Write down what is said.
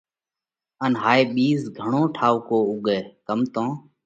ان هائي ٻِيز گھڻو ٺائُوڪو اُوڳئه ڪم تو